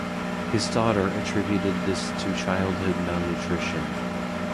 His daughter attributed this to childhood malnutrition.